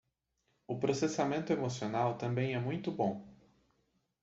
O processamento emocional também é muito bom